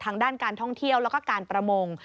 ทางด้านการท่องเที่ยวแล้วก็การประมง